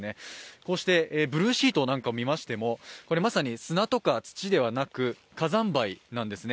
こうしてブルーシートなんかを見ましても、まさに砂とか土ではなく火山灰なんですね。